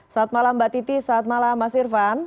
saat malam mbak titi saat malam mas irvan